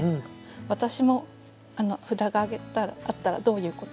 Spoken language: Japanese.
私も札があったら「どういうこと？」